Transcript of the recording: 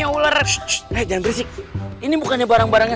walaupun saya sebagai bapak dirinya